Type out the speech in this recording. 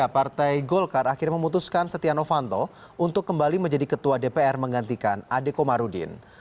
partai golkar akhirnya memutuskan setia novanto untuk kembali menjadi ketua dpr menggantikan ade komarudin